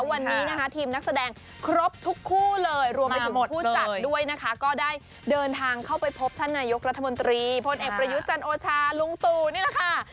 วันนี้นะคะทีมนักแสดงครบทุกคู่เลยรวมไปถึงผู้จัดด้วยนะคะก็ได้เดินทางเข้าไปพบท่านนายกรัฐมนตรีพลเอกประยุทธ์จันโอชาลุงตู่นี่แหละค่ะ